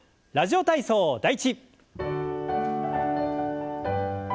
「ラジオ体操第１」。